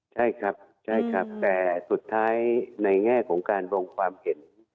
ใช่ครับแต่สุดท้ายในแง่ของการวงความเห็น